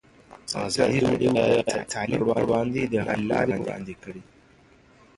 ازادي راډیو د تعلیم پر وړاندې د حل لارې وړاندې کړي.